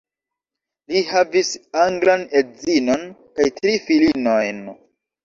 Li havis anglan edzinon kaj tri filinojn.